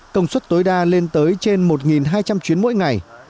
công suất tối đa lên tới trên một hai trăm linh chuyến mỗi ngày